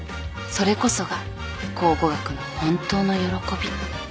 それこそが考古学の本当の喜び。